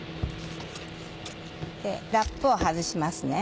ラップを外しますね。